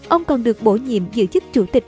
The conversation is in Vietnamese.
ông còn được bổ nhiệm giữ chức chủ tịch